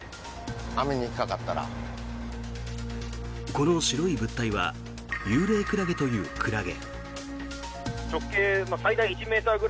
この白い物体はユウレイクラゲというクラゲ。